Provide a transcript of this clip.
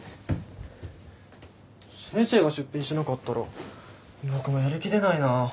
先生が出品しなかったら僕もやる気出ないなぁ。